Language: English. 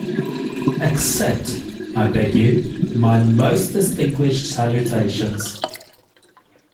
Accept, I beg you, my most distinguished salutations.